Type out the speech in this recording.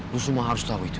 lu semua harus tahu itu